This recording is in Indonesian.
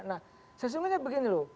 nah sesungguhnya begini loh